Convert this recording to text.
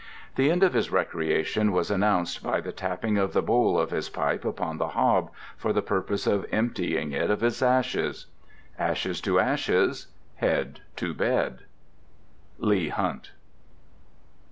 The end of his recreation was announced by the tapping of the bowl of his pipe upon the hob, for the purpose of emptying it of its ashes. Ashes to ashes; head to bed. —LEIGH HUNT.